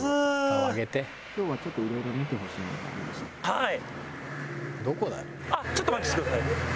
はい。